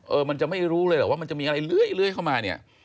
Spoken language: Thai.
เออมันจะไม่รู้เลยหรอกมันจะมีอะไรเล้ยเข้ามา